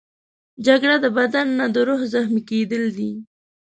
جګړه د بدن نه، د روح زخمي کېدل دي